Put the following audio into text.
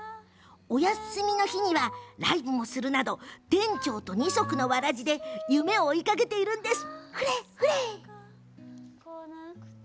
お休みの日にはライブもするなど店長と、二足のわらじで夢を追いかけているんです。